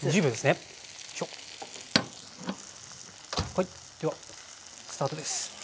はいではスタートです。